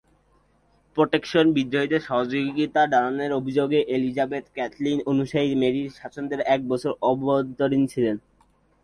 Protestant বিদ্রোহীদের সহযোগিতা দানের অভিযোগে এলিজাবেথ ক্যাথলিক অনুসারী মেরির শাসনকালে এক বছর অন্তরীণ ছিলেন।